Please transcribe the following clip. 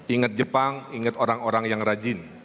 inget jepang inget orang orang yang rajin